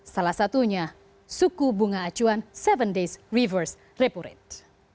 salah satunya suku bunga acuan tujuh days reverse reputate